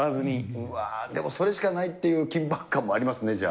うわー、でもそれしかないっていう緊迫感もありますね、じゃあ。